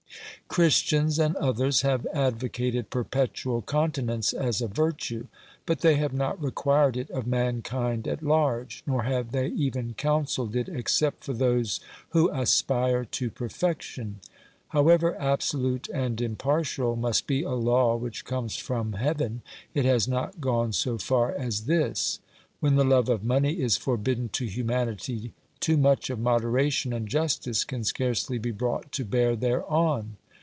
Christians and others have advocated perpetual con tinence as a virtue; but they have not required it of mankind at large, nor have they even counselled it except for those who aspire to perfection. However absolute and impartial must be a law which comes from heaven, it has not gone so far as this. When the love of money is forbidden to humanity, too much of moderation and justice can scarcely be brought to bear thereon.